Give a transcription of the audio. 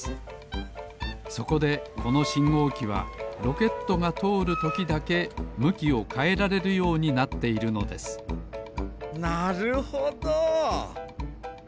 そこでこのしんごうきはロケットがとおるときだけむきをかえられるようになっているのですなるほど！